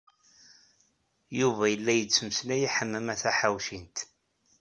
Yuba yella yettmeslay i Ḥemmama Taḥawcint.